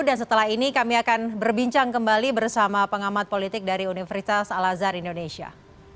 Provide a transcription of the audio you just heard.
dan setelah ini kami akan berbincang kembali bersama pengamat politik dari universitas al azhar indonesia